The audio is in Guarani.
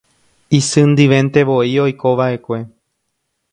Isy ndiventevoi oikovaʼekue.